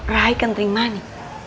rai kentring mani